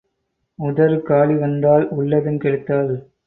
உதறு காலி வந்தாள், உள்ளதும் கெடுத்தாள்.